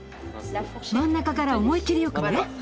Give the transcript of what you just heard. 真ん中から思い切りよくね。